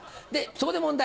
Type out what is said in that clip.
そこで問題